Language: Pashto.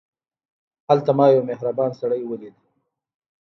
هلته ما یو مهربان سړی ولید.